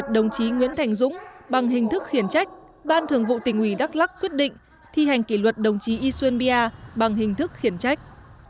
đồng chí nguyễn thành dũng bằng hình thức khiển trách ban thường vụ tỉnh ủy đắk lắc quyết định thi hành kỷ luật đồng chí y xuyê bằng hình thức khiển trách